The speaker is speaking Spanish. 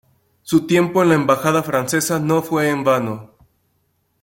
Su tiempo en la embajada francesa no fue en vano.